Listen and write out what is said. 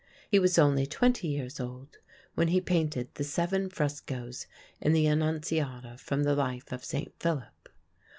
He was only twenty years old when he painted the seven frescos in the Annunziata from the life of Saint Philip.